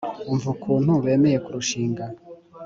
umva ukuntu bemeye kurushinga